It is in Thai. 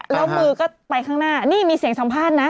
แล้วมือก็ไปข้างหน้านี่มีเสียงสัมภาษณ์นะ